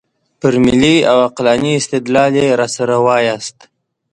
پر ملي او عقلاني استدلال یې راسره وایاست.